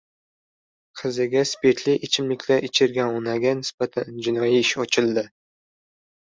Qiziga spirtli ichimlik ichirgan onaga nisbatan jinoiy ish ochildi